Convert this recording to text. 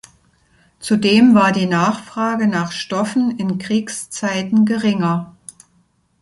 Zudem war die Nachfrage nach Stoffen in Kriegszeiten geringer.